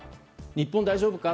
日本大丈夫か？